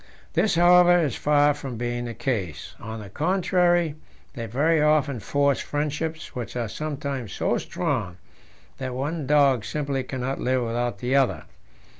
This, however, is far from being the case. On the contrary, they very often form friendships, which are sometimes so strong that one dog simply cannot live without the other.